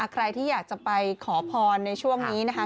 ใครที่อยากจะไปขอพรในช่วงนี้นะคะ